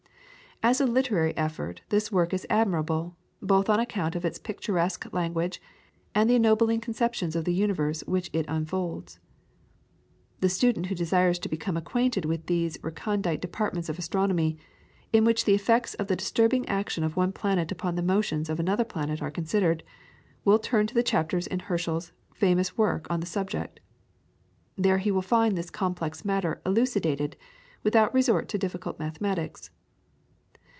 As a literary effort this work is admirable, both on account of its picturesque language and the ennobling conceptions of the universe which it unfolds. The student who desires to become acquainted with those recondite departments of astronomy, in which the effects of the disturbing action of one planet upon the motions of another planet are considered, will turn to the chapters in Herschel's famous work on the subject. There he will find this complex matter elucidated, without resort to difficult mathematics.